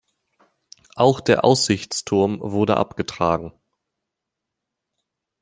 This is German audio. Auch der Aussichtsturm wurde abgetragen.